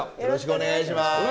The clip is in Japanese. よろしくお願いします。